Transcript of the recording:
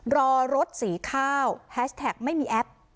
รอรถสีข้าวแฮชแท็กไม่มีแอป